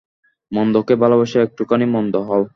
মন্দকে ভালোবাসিয়া একটুখানি মন্দ হও।